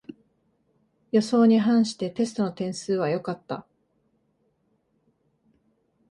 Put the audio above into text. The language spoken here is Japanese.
予想に反してテストの点数は良かった